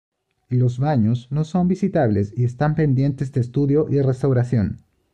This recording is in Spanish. Los baños no son visitables y están pendientes de estudio y restauración.